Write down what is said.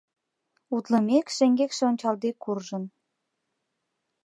Утлымек, шеҥгекше ончалде куржын.